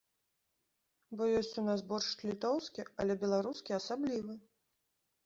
Бо ёсць ў нас боршч літоўскі, але беларускі асаблівы!